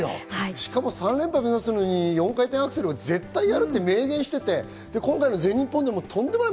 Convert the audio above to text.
しかも３連覇を目指すのに４回転アクセルを絶対やるって明言していて、今回の全日本でもとんでもない。